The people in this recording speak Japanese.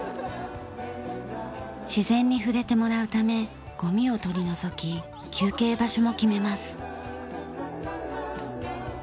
自然に触れてもらうためゴミを取り除き休憩場所も決めます。